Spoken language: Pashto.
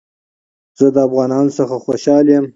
زه د افغانانو څخه خوشحاله يم